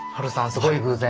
すごい偶然。